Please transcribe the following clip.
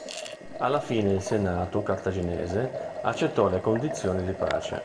Alla fine il senato cartaginese accettò le condizioni di pace.